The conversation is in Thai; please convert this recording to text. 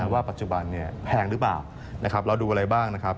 ว่าปัจจุบันแพงหรือเปล่าเราดูอะไรบ้าง